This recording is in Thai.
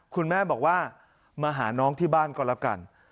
คุณแม่บอกว่ามาหาน้องที่บ้านก็แล้วกัน